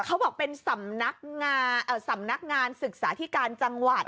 เขาบอกเป็นสำนักงานศึกษาอิทกาลจังหวัด